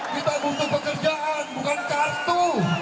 kita butuh pekerjaan bukan kartu